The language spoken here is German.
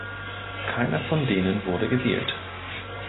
Keiner von denen wurde gewählt.